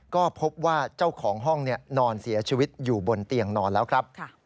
ก็พบว่าเจ้าของห้องนอนเสียชีวิตอยู่บนเตียงนอนแล้วครับ